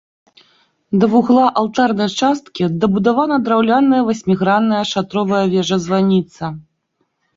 Да вугла алтарнай часткі дабудавана драўляная васьмігранная шатровая вежа-званіца.